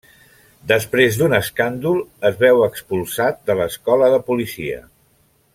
Després d'un escàndol, es veu expulsat de l'escola de policia.